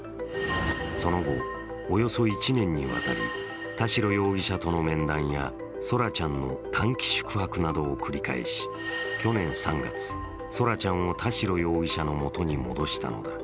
その後、およそ１年にわたり田代容疑者との面談や空来ちゃんの短期宿泊などを繰り返し去年３月、空来ちゃんを田代容疑者のもとに戻したのだ。